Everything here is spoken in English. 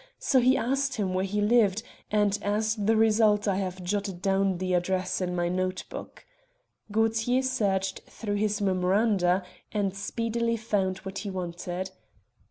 So he asked him where he lived, and as the result I have jotted down the address in my note book." Gaultier searched through his memoranda, and speedily found what he wanted.